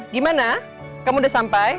gimana kamu udah sampai